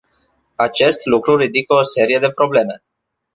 Acest lucru ridică o serie de probleme.